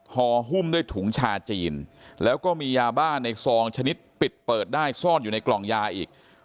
หุ้มด้วยถุงชาจีนแล้วก็มียาบ้าในซองชนิดปิดเปิดได้ซ่อนอยู่ในกล่องยาอีก